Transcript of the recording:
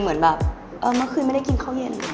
เหมือนแบบเมื่อคืนไม่ได้กินข้าวเย็น